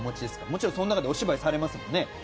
もちろん、その中でお芝居されますものね。